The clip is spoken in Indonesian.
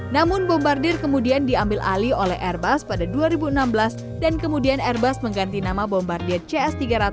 namun bombardir kemudian diambil alih oleh airbus pada dua ribu enam belas dan kemudian airbus mengganti nama bombardir cs tiga ratus